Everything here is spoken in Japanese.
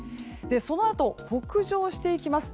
そのあと北上していきます。